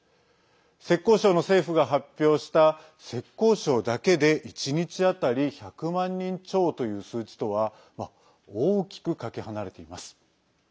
浙江省の政府が発表した浙江省だけで１日当たり１００万人超という数字とは大きくかけ離れています。